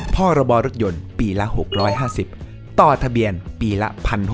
พรยปีละ๖๕๐ต่อทะเบียนปีละ๑๖๕๐